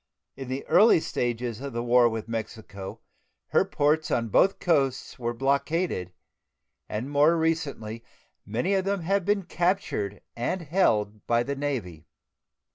In the early stages of the war with Mexico her ports on both coasts were blockaded, and more recently many of them have been captured and held by the Navy.